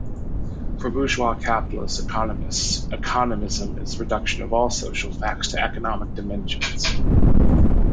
For bourgeois capitalist economists, "economism" is reduction of all social facts to economic dimensions.